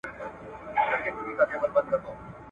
سو خبر د خپل نصیب له درانه سوکه !.